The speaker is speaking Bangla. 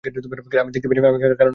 আমি দেখতে পাইনি কারণ আমি দেখতে চাইনি।